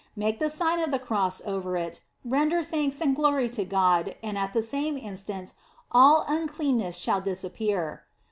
Make the Sign of the Cross over it, render thanks and glory to God, and at the same instant, all uncleanness shall disappear."